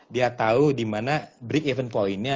dia tau di mana break even point nya